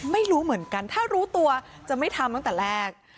ไม่รู้เหมือนกันถ้ารู้ตัวจะไม่ทำตั้งแต่แรก